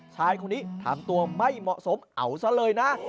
ชายคนนี้ทำตัวไม่เหมาะสมเอาซะเลยนะ